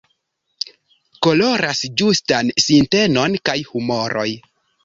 Koloras ĝustan sintenon kaj humoroj.